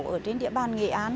ở trên địa bàn nghệ an